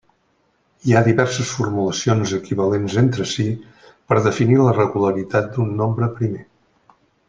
Hi ha diverses formulacions equivalents entre si per definir la regularitat d'un nombre primer.